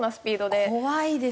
怖いですよ！